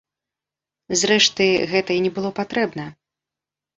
Зрэшты, гэта і не было патрэбна.